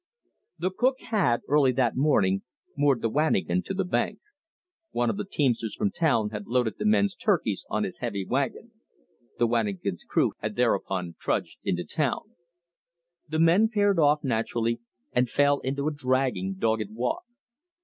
The cook had, early that morning, moored the wanigan to the bank. One of the teamsters from town had loaded the men's "turkeys" on his heavy wagon. The wanigan's crew had thereupon trudged into town. The men paired off naturally and fell into a dragging, dogged walk.